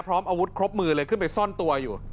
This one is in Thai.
พร้อมอาวุธครบมือเลยขึ้นไปซ่อนตัวอยู่